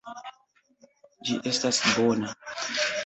Ĝi estas bona.